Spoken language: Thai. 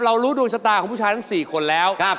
รู้ดวงชะตาของผู้ชายทั้ง๔คนแล้ว